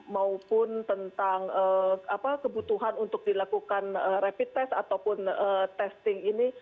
maupun tentang kebutuhan untuk dilakukan rapid test ataupun testing ini